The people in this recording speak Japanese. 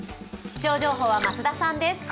気象情報は増田さんです。